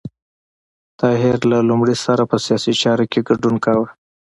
طاهر له لومړي سره په سیاسي چارو کې ګډون کاوه.